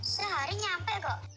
sehari nyampe kok